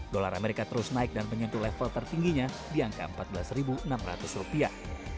dolar amerika terus naik dan menyentuh level tertingginya di angka empat belas enam ratus rupiah